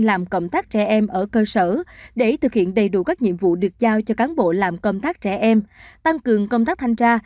làm cộng tác trẻ em ở cơ sở để thực hiện đầy đủ các nhiệm vụ được giao cho cán bộ làm công tác trẻ em tăng cường công tác thanh tra